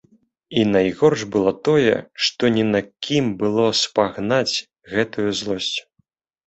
І найгорш было тое, што не на кім было спагнаць гэтую злосць.